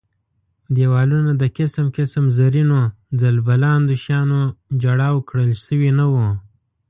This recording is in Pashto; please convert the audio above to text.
دېوالونه د قسم قسم زرینو ځل بلاندو شیانو جړاو کړل شوي نه وو.